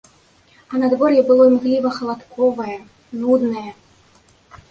А надвор'е было імгліва-халадковае, нуднае.